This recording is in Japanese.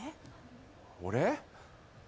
俺？